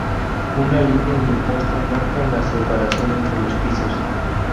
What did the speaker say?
Una línea de imposta marca la separación entre los pisos.